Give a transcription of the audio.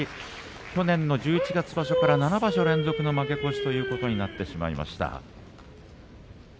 去年の十一月場所から７場所連続の負け越しとなってしまいました。